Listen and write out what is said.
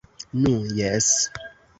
Nu, jes.